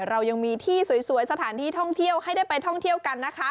เรายังมีที่สวยสถานที่ท่องเที่ยวให้ได้ไปท่องเที่ยวกันนะคะ